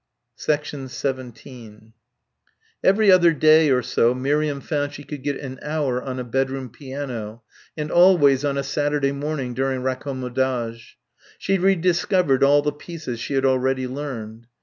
17 Every other day or so Miriam found she could get an hour on a bedroom piano; and always on a Saturday morning during raccommodage. She rediscovered all the pieces she had already learned.